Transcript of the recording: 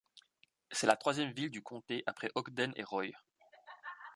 C'est la troisième ville du comté après Ogden et Roy.